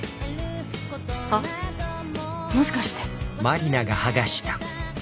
あっもしかして。